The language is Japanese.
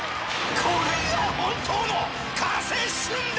［これが本当の加瀬駿だ！］